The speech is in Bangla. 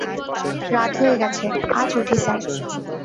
রাত হয়ে গেছে, আজ উঠি স্যার!